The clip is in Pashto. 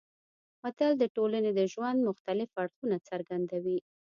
متل د ټولنې د ژوند مختلف اړخونه څرګندوي